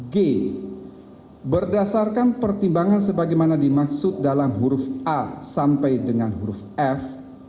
g berdasarkan pertimbangan sebagaimana dimaksud dalam huruf a sampai dengan huruf f